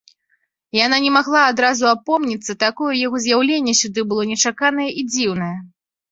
Яна не магла адразу апомніцца, такое яго з'яўленне сюды было нечаканае і дзіўнае.